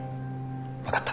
分かった。